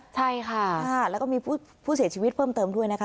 ใช่ค่ะแล้วก็มีผู้เสียชีวิตเพิ่มเติมด้วยนะคะ